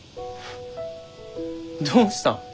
どうしたん？